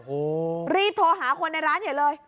โอ้โหรีบโทรหาคนในร้านใหญ่เลย